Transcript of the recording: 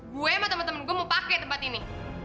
gue emang temen temen gue mau pakai tempat ini